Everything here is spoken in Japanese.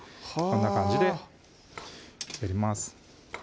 こんな感じでやります